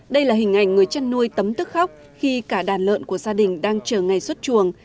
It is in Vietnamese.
đây là hình ảnh người chăn nuôi tấm tức khóc khi cả đàn lợn của gia đình đang chờ ngày xuất chuồng